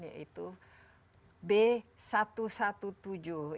saya ingin mengatasi keadaan covid sembilan belas di indonesia